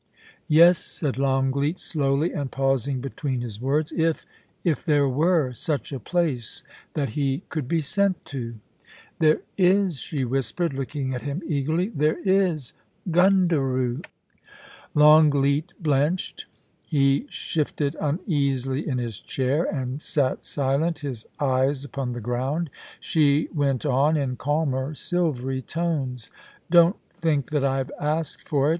* 'Yes,' said Longleat slowly^ and pausing between his words. ' If — if there were — such a place — that he could be sent to.' * There is,' she whispered, looking at him eagerly ;' there is — Gundaroo.' Longleat blenched. He shifted uneasily in his chair, and sat silent, his eyes upon the ground. She went on, in calmer, silvery tones :' Don't think that I have asked for it